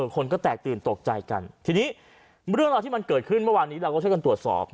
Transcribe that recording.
คนก็แตกตื่นตกใจกันทีนี้เรื่องราวที่มันเกิดขึ้นเมื่อวานนี้เราก็ช่วยกันตรวจสอบ